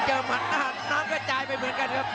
เจอหมัดที่หน้าน้ำก็จายไปเหมือนกันครับ